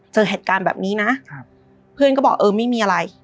เจอเหตุการณ์แบบนี้นะเพื่อนก็บอกเออไม่มีอะไร